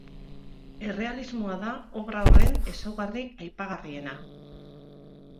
Errealismoa da obra horren ezaugarri aipagarriena.